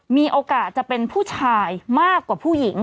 มีโอกาสจะเป็นผู้ชายมากกว่าผู้หญิง